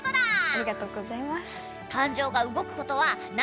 ありがとうございます。